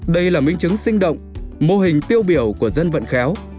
đây là minh chứng sinh động mô hình tiêu biểu của dân vận khéo